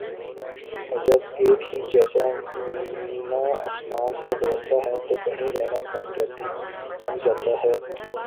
اور جب ایک ہی جیسا مینہ آسماں سے برستا ہے تو کہیں رحمت بن جاتا ہے